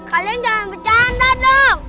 kalian jangan bercanda dong